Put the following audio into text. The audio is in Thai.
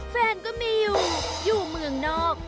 แฟนก็มีอยู่อยู่เมืองนอก